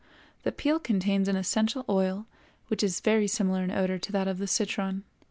The peel contains an essential oil which is very similar in odor to that of the citron.